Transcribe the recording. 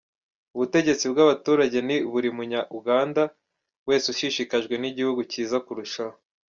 "Ubutegetsi bw'abaturage ni buri Munya-Uganda wese ushishikajwe n'igihugu cyiza kurushaho.